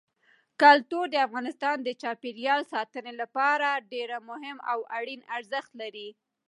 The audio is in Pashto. کلتور د افغانستان د چاپیریال ساتنې لپاره ډېر مهم او اړین ارزښت لري.